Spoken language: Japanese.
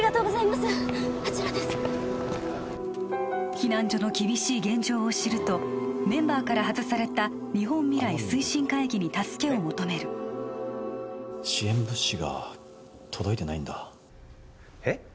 避難所の厳しい現状を知るとメンバーから外された日本未来推進会議に助けを求める支援物資が届いてないんだえっ？